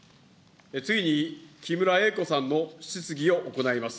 次に木村英子さんの質疑を行います。